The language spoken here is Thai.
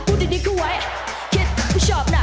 พูดดีเข้าไว้คิดว่าชอบน่ะ